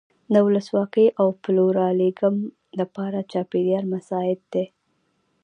د ولسواکۍ او پلورالېزم لپاره چاپېریال مساعد دی.